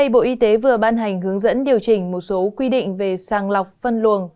bộ y tế vừa ban hành hướng dẫn điều chỉnh một số quy định về sàng lọc phân luồng